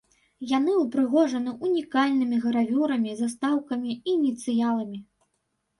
Яны ўпрыгожаны унікальнымі гравюрамі, застаўкамі і ініцыяламі.